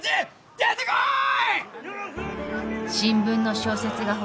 出てこい！